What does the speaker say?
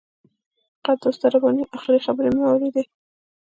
فقط د استاد رباني آخري خبرې مې واورېدې.